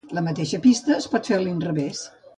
La mateixa pista es pot fer a l'inrevés.